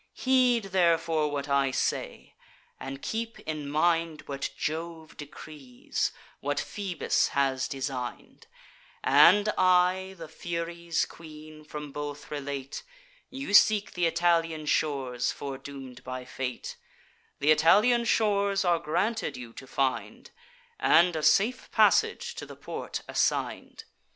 Heed therefore what I say; and keep in mind What Jove decrees, what Phoebus has design'd, And I, the Furies' queen, from both relate: You seek th' Italian shores, foredoom'd by fate: Th' Italian shores are granted you to find, And a safe passage to the port assign'd.